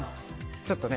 ちょっとね